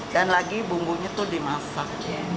dan lagi bumbunya itu dimasak